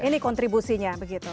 ini kontribusinya begitu